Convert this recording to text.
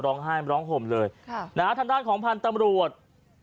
ร้องไห้ร้องห่มเลยค่ะนะฮะทางด้านของพันธุ์ตำรวจ